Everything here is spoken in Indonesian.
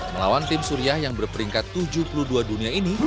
melawan tim suriah yang berperingkat tujuh puluh dua dunia ini